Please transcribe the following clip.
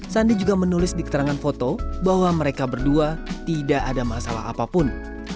sandi juga menulis di keterangan foto bahwa mereka berdua tidak ada masalah apapun